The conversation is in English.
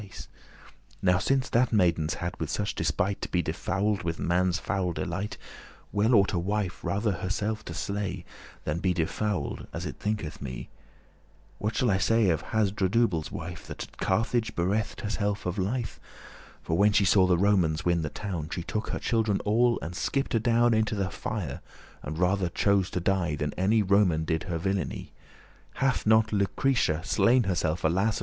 *same Now since that maidens hadde such despite To be defouled with man's foul delight, Well ought a wife rather herself to sle,* *slay Than be defouled, as it thinketh me. What shall I say of Hasdrubale's wife, That at Carthage bereft herself of life? For, when she saw the Romans win the town, She took her children all, and skipt adown Into the fire, and rather chose to die, Than any Roman did her villainy. Hath not Lucretia slain herself, alas!